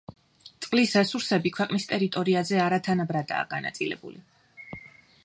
წყლის რესურსები ქვეყნის ტერიტორიაზე არათანაბრადაა განაწილებული.